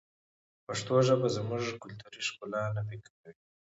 پښتو ژبه زموږ کلتوري ښکلا نه پیکه کوي.